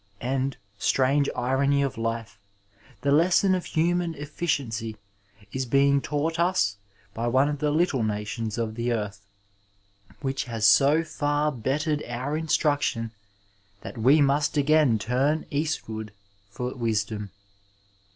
And, strange irony of lif e, the lesson of human efficiency is being taught us by one of the little nations of the earth, which has so far bettered our i^truction that we must again turn eastward for wisdom.